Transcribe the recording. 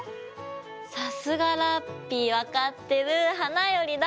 さすがラッピィ分かってる花よりだんご！